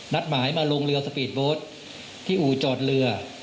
นัดหมายมาลงเรือสปีดโบสต์ที่อู่จอดเรือ